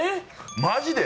マジで！？